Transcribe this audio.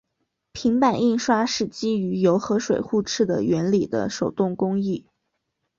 平版印刷是基于油和水互斥的原理的手动工艺。